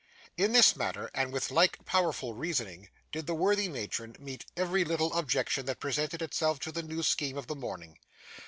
In this manner, and with like powerful reasoning, did the worthy matron meet every little objection that presented itself to the new scheme of the morning.